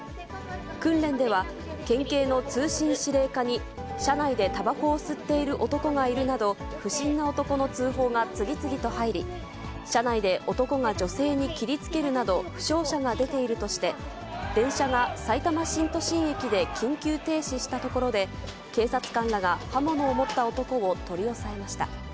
訓練では、県警の通信指令課に、車内でタバコを吸っている男がいるなど、不審な男の通報が次々と入り、車内で男が女性に切りつけるなど、負傷者が出ているとして、電車がさいたま新都心駅で緊急停止したところで、警察官らが刃物を持った男を取り押さえました。